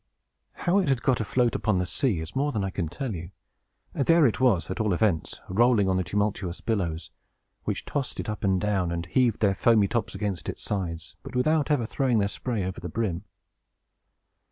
How it had got afloat upon the sea is more than I can tell you. There it was, at all events, rolling on the tumultuous billows, which tossed it up and down, and heaved their foamy tops against its sides, but without ever throwing their spray over the brim.